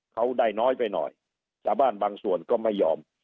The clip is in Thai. เขาได้น้อยไปหน่อยชาวบ้านบางส่วนก็ไม่ยอม